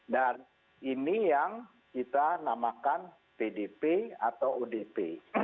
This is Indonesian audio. dan ini yang kita namakan pdp atau odp